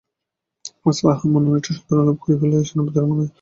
আজ তাঁহার মন অনেকটা সান্ত্বনা লাভ করিল যে সেনাপতি রমাই রণে জিতিয়া আসিয়াছে।